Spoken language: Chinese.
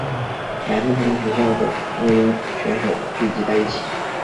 来自不同学校的菁英选手聚集在一起。